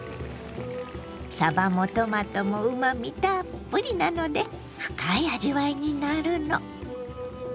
さばもトマトもうまみたっぷりなので深い味わいになるの。